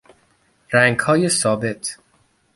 رنگهای ثابت